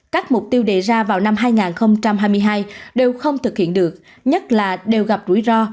các mục tiêu đề ra vào năm hai nghìn hai mươi hai đều không thực hiện được nhất là đều gặp rủi ro